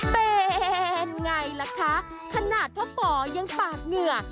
เป็นไงล่ะคะขนาดพ่อหมอยังปากเหงื่อ